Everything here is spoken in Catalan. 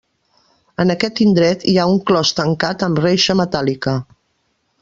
En aquest indret hi ha un clos tancat amb reixa metàl·lica.